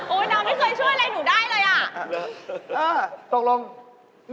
เอ๊ยนายไม่เคยช่วยอะไรหนูได้เลย